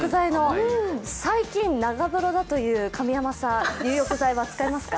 最近、長風呂だという神山さん、入浴剤は使いますか？